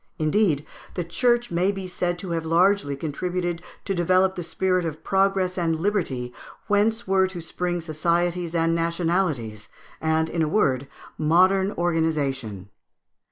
Indeed, the Church may be said to have largely contributed to develop the spirit of progress and liberty, whence were to spring societies and nationalities, and, in a word, modern organization.